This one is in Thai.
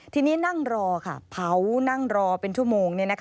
ทีนี้นั่งรอค่ะเผานั่งรอเป็นชั่วโมง